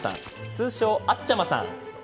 通称、あっちゃまさん。